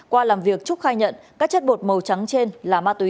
qua làm việc trúc khai nhận các chất bột màu trắng trên là ma túy